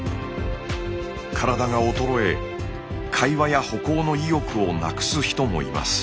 体が衰え会話や歩行の意欲をなくす人もいます。